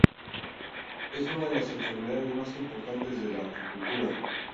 Es una de las enfermedades más importantes de la apicultura.